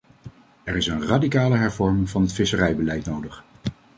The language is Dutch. Er is een radicale hervorming van het visserijbeleid nodig.